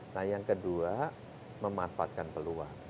nah yang kedua memanfaatkan peluang